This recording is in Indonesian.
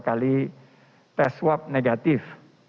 kali tes swab negatif